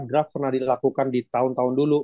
draft pernah dilakukan di tahun tahun dulu